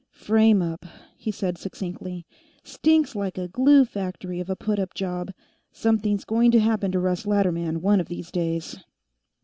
"Frame up," he said succinctly. "Stinks like a glue factory of a put up job. Something's going to happen to Russ Latterman, one of these days."